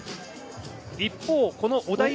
一方、この織田夢